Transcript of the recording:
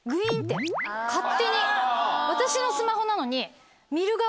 勝手に私のスマホなのに。